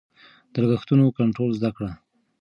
د لګښتونو کنټرول زده کړه.